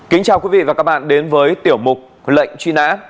kính chào quý vị và các bạn đến với tiểu mục lệnh truy nã